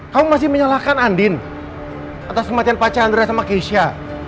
kamu masih menyalahkan andin atas kematian pak chandra sama keisha